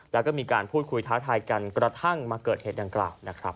แล้วก็มีการพูดคุยท้าทายกันกระทั่งมาเกิดเหตุดังกล่าวนะครับ